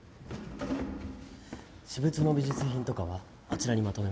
私物の美術品とかはあちらにまとめました。